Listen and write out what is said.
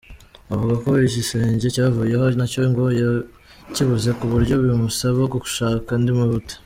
Avuga ko igisenge cyavuyeho nacyo ngo yakibuze ku buryo bimusaba gushaka andi mabati.